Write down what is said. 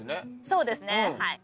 そうですねはい。